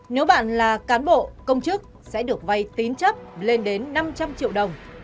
nếu bạn là cán bộ công chức sẽ được vay tín chấp lên đến năm trăm linh triệu đồng